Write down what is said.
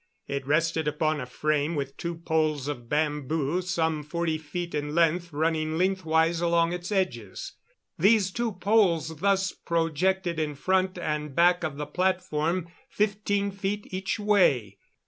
It rested upon a frame with two poles of bamboo some forty feet in length running lengthwise along its edges. These two poles thus projected in front and back of the platform fifteen feet each way.